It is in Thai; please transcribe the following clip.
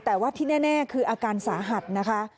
แต่ว่าที่แน่คืออาการสาหัสนะคะ